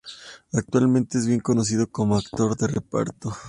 Actualmente es bien conocido como actor de reparto.